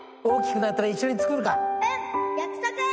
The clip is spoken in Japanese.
大きくなったら一緒に作るか。